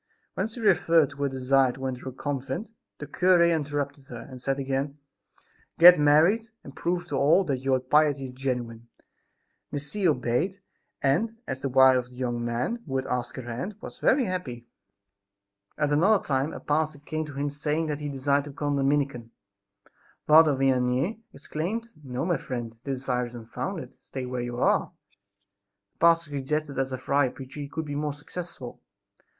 When she referred to her desire to enter a convent, the cure interrupted her, and said again: "Get married, and prove to all that your piety is genuine." Miss C. obeyed and, as the wife of the young man who had asked her hand, was very happy. At another time a pastor came to him saying that he desired to become a Dominican. Father Vianney exclaimed: "No, my friend, this desire is unfounded; stay where you are." The pastor suggested that as a friar preacher he could be more successful.